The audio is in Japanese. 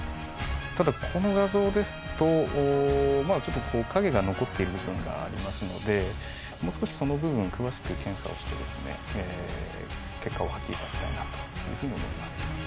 ただこの画像ですとまだちょっとこう影が残っている部分がありますのでもう少しその部分を詳しく検査をしてですね結果をはっきりさせたいなというふうに思います